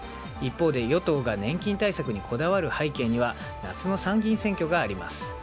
一方で、与党が年金対策にこだわる背景には夏の参議院選挙があります。